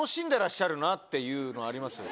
っていうのありますよ。